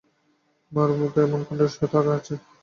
মার মতো এমন কণ্ঠস্বর কার আছে!